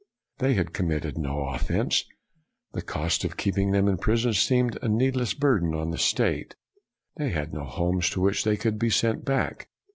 They had committed no offense; the cost of keeping them in prison seemed a need less burden on the state; they had no homes to which they could be sent back.